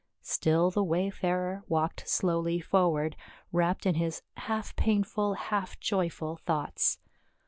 Still the wayfarer walked slowly forward, wrapped in his half painful, half joyful thoughts.